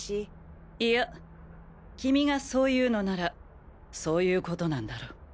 いや君がそう言うのならそういう事なんだろう。